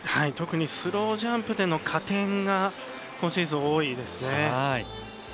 特にスロージャンプでの加点が今シーズン多いですね。